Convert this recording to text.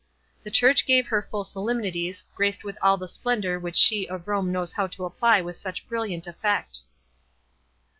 The Church gave her full solemnities, graced with all the splendour which she of Rome knows how to apply with such brilliant effect.